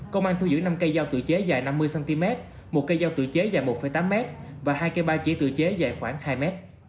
công an thu giữ năm cây dao tự chế dài năm mươi cm một cây dao tự chế dài một tám m và hai cây ba chỉ tự chế dài khoảng hai m